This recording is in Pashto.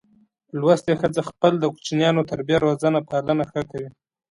لوستي ښځه خپل د کوچینیانو تربیه روزنه پالنه ښه کوي.